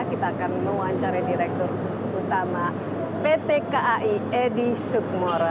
kita akan mewawancari direktur utama pt kai edi sukmoro